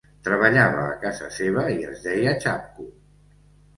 Treballava a casa seva i es deia Chapko.